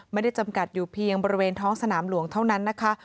จำกัดอยู่เพียงบริเวณท้องสนามหลวงเท่านั้นนะคะ